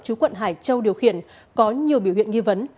chú quận hải châu điều khiển có nhiều biểu hiện nghi vấn